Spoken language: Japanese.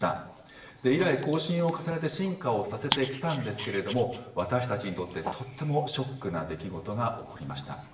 以来更新を重ねて進化をさせてきたんですけれども私たちにとってとってもショックな出来事が起こりました。